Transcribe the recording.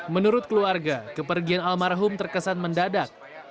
menurut keluarga kepergian almarhum terkesan mendadak